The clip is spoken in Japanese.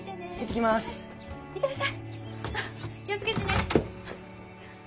気を付けてね。